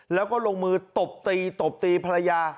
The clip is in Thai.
แล้วก็ลงมือตบตีตบตีภรรยา